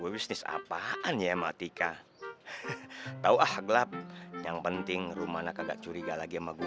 bisnis apaan ya matika tahu ah gelap yang penting rumahnya kagak curiga lagi sama gue